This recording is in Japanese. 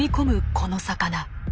この魚。